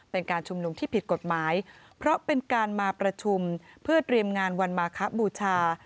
เป็นการชุมนุมที่ผิดกฎหมายเพราะเป็นการมาประชุมเพื่อเตรียมงานวันมาคบูชา